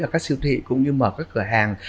ở các siêu thị cũng như mở các cửa hàng